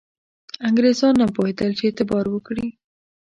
انګرېزان نه پوهېدل چې اعتبار وکړي.